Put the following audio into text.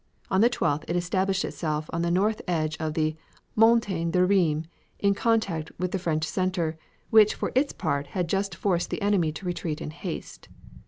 On the 12th it established itself on the north edge of the Montagne de Reime in contact with the French center, which for its part had just forced the enemy to retreat in haste.